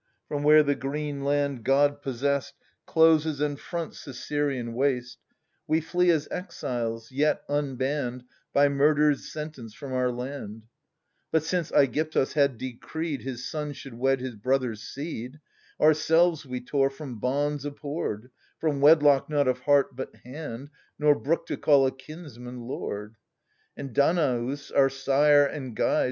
From where the green land, god possest, Closes and fronts the Syrian waste, We flee as exiles, yet unbanned By murder's sentence from our land; But — since ^gyptus had decreed His sons should wed his brother's seed, — Ourselves we tore from bonds abhorred From wedlock not of heart but hand, ' Nor brooked to call a kinsman lord! And Danaus, our sire and guide.